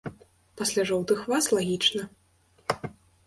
Пасля жоўтых ваз лагічна.